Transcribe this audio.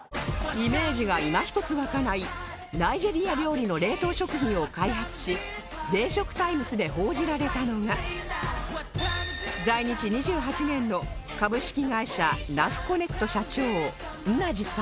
イメージがいま一つ湧かないナイジェリア料理の冷凍食品を開発し『冷食タイムス』で報じられたのが在日２８年の株式会社ナフコネクト社長ンナジさん